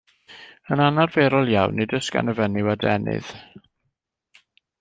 Yn anarferol iawn, nid oes gan y fenyw adenydd.